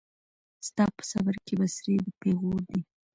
ستا په صبر کي بڅری د پېغور دی